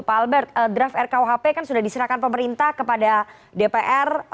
pak albert draft rkuhp kan sudah diserahkan pemerintah kepada dpr